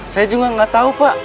saya juga nggak tahu pak